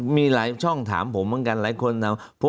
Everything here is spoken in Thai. มีหลายช่องถามผมเหมือนกันหลายคนถาม